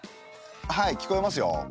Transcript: はい聞こえますよ。